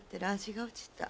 味が落ちた。